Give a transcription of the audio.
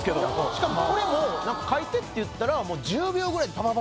しかもこれも描いてって言ったらへえ。